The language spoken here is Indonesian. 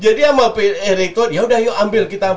jadi sama pih eric tuan ya udah yuk ambil